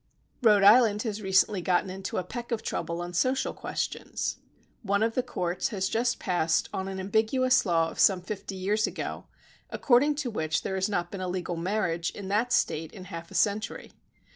Rhode Island has recently gotten into a peck of trouble on social questions. One of the courts has just passed on an ambig uous law of some fifty years ago, according to which there has not been a legal marriage in that State in half a century.